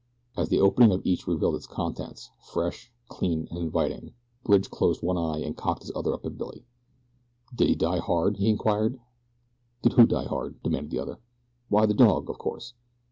As the opening of each revealed its contents, fresh, clean, and inviting, Bridge closed one eye and cocked the other up at Billy. "Did he die hard?" he inquired. "Did who die hard?" demanded the other. "Why the dog, of course."